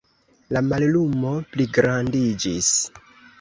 La mallumo pligrandiĝis.